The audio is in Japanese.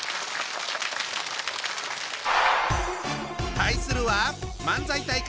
対するは漫才大会